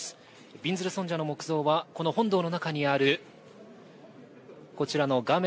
びんずる尊者の木像はこの本堂の中にあるこちらの画面